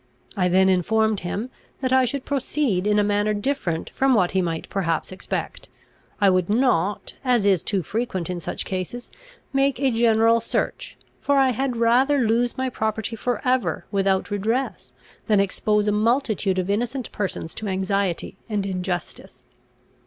I then informed him, that I should proceed in a manner different from what he might perhaps expect. I would not, as is too frequent in such cases, make a general search; for I had rather lose my property for ever without redress, than expose a multitude of innocent persons to anxiety and injustice.